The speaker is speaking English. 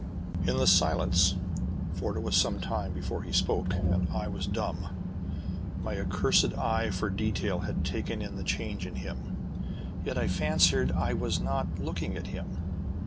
In the silence for it was some time before he spoke, and I was dumb my accursed eye for detail had taken in the change in him. Yet I fancied I was not looking at him.